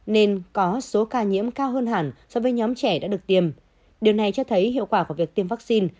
nên có số ca nhiễm cao hơn hẳn so với nhóm trẻ đã được tiêm điều này cho thấy hiệu quả của việc tiêm vaccine